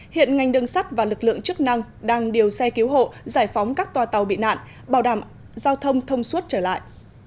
hiện ngành đường sắt và lực lượng chức năng đang điều xe cứu hộ giải phóng các tòa tàu bị nạn bảo đảm giao thông thông suốt trở lại